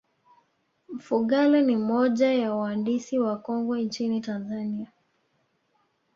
mfugale ni moja ya waandisi wakongwe nchini tanzania